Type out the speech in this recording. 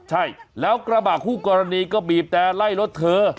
ใช่แล้วกระบะคู่กรณีก็บีบแต่ไล่รถเธอ